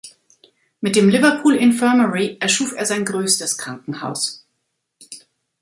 Mit dem Liverpool Infirmary erschuf er sein größtes Krankenhaus.